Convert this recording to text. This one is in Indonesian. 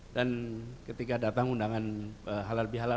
dan ketika datang undangan halal bihalal